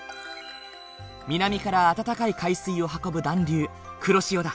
南から温かい海水を運ぶ暖流黒潮だ。